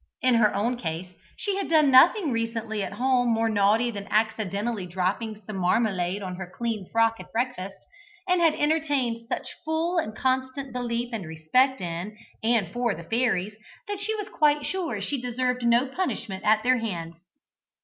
In her own case, she had done nothing recently at home more naughty than accidentally dropping some marmalade on her clean frock at breakfast, and had entertained such full and constant belief and respect in and for the fairies, that she was quite sure she deserved no punishment at their hands.